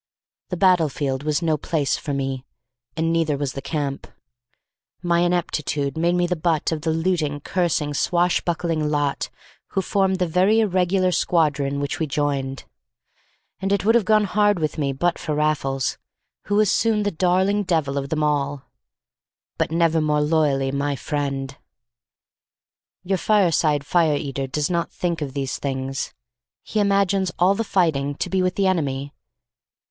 The battlefield was no place for me, and neither was the camp. My ineptitude made me the butt of the looting, cursing, swash buckling lot who formed the very irregular squadron which we joined; and it would have gone hard with me but for Raffles, who was soon the darling devil of them all, but never more loyally my friend. Your fireside fire eater does not think of these things. He imagines all the fighting to be with the enemy.